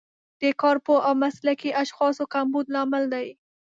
د کارپوه او مسلکي اشخاصو کمبود لامل دی.